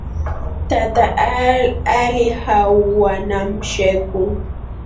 Tata alihauwa na msheku.